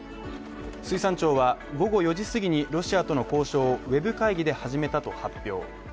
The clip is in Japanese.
水産庁は午後４時すぎにロシアとの交渉をウェブ会議で始めたと発表。